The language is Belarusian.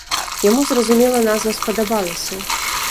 Яму, зразумела, назва спадабалася.